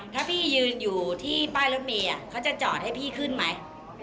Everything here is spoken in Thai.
ถ้าพี่ยืนอยู่ที่ป้ายรถเมย์เขาจะจอดให้พี่ขึ้นไหม